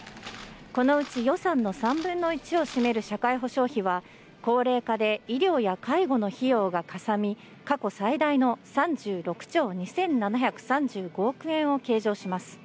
このうち予算の３分の１を占める社会保障費は、高齢化で医療や介護の費用がかさみ、過去最大の３６兆２７３５億円を計上します。